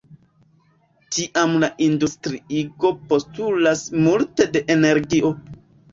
Tiam la industriigo postulas multe de energio.